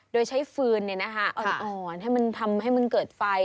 โดยใช้ฟืนอ่อนให้มันทำให้มันเกิดไฟ